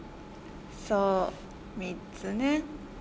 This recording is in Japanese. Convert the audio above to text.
『そう、３つね』